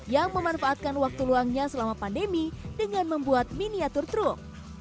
yang memanfaatkan waktu luangnya selama pandemi dengan membuat miniatur truk